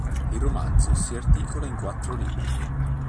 Il romanzo si articola in quattro libri.